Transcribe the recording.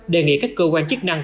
đề nghị các cơ quan chức năng